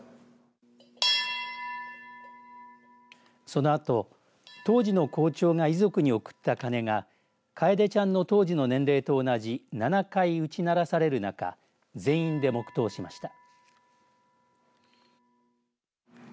そのあと当時の校長が遺族に贈った鐘が楓ちゃんの当時の年齢と同じ７回打ち鳴らされる中全員で黙とうしました。